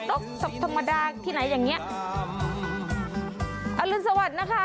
ตกตกธรรมดาที่ไหนอย่างเงี้ยอรุณสวัสดิ์นะคะ